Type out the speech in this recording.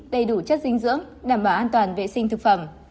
đầy đủ chất dinh dưỡng đảm bảo an toàn vệ sinh thực phẩm